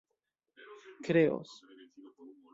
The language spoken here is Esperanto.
kreos